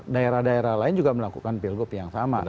daerah daerah lain juga melakukan pilgub yang sama